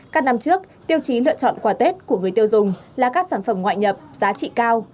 các năm trước tiêu chí lựa chọn quà tết của người tiêu dùng là các sản phẩm ngoại nhập giá trị cao